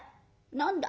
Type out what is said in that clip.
「何だ？